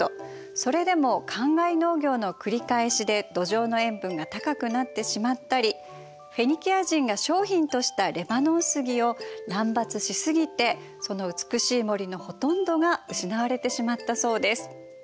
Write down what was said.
それでもかんがい農業の繰り返しで土壌の塩分が高くなってしまったりフェニキア人が商品としたレバノン杉を乱伐し過ぎてその美しい森のほとんどが失われてしまったそうです。